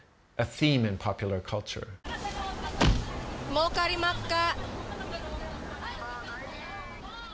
もうかりまっか？